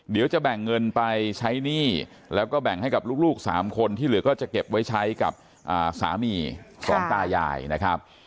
เดี๋ยวจะแบ่งเงินไปใช้หนี้แล้วก็แบ่งให้กับลูก๓คนที่เหลือก็จะเก็บไว้ใช้กับสามีของตายายนะครับ